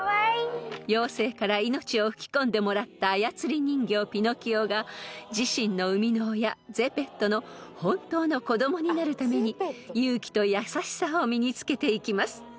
［妖精から命を吹き込んでもらった操り人形ピノキオが自身の生みの親ゼペットの本当の子供になるために勇気と優しさを身に付けていきます］